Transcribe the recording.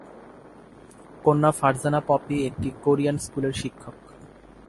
কন্যা ফারজানা পপি, একটি কোরিয়ান স্কুলের শিক্ষক।